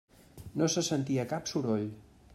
No se sentia cap soroll.